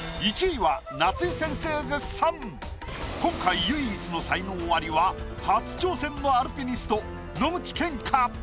今回唯一の才能アリは初挑戦のアルピニスト野口健か？